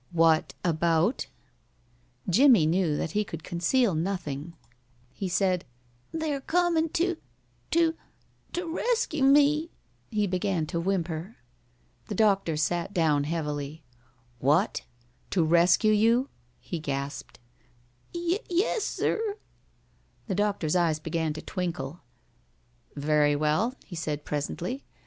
"What about?" Jimmie knew that he could conceal nothing. [Illustration: "THE BOY TURNED AGAIN TO HIS FRIEND"] He said, "They're comin' to to to rescue me." He began to whimper. The doctor sat down heavily. "What? To rescue you?" he gasped. "Y yes, sir." The doctor's eyes began to twinkle. "Very well," he said presently.